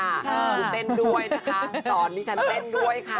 คือเต้นด้วยนะคะสอนดิฉันเต้นด้วยค่ะ